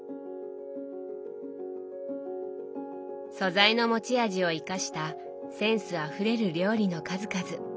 素材の持ち味を生かしたセンスあふれる料理の数々。